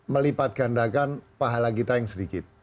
melipat gandakan pahala kita yang sedikit